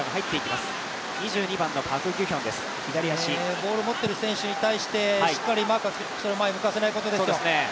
ボール持ってる選手に対して、しっかりマークして前に行かせないことですよ。